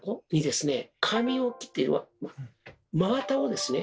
「髪置き」って真綿をですね